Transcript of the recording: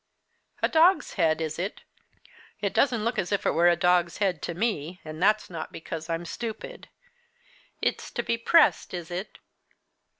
"A dog's head, is it? it doesn't look as if it were a dog's head to me, and that's not because I'm stupid. It's to be pressed, is it?